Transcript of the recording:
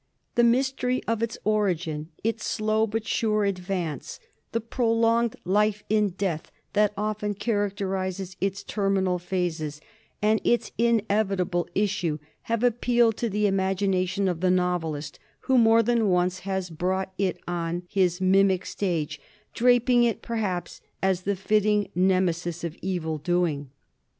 The mystery of its origin, its slow but sure advance, the prolonged life in death that often characterises its terminal phases, and its' inevitable issue, have ap pealed to the imagina tion of the novelist, who more than once has brought it on his mimic stage, draping it, per haps, as the fitting Ne mesis of evil doing.